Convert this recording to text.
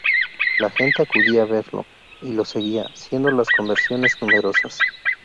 La gente acudía a verlo y lo seguía, siendo las conversiones numerosas.